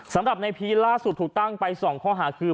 สำหรับในพีชล่าสุดถูกตั้งไป๒ข้อหาคือ